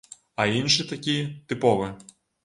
А іншы такі, тыповы.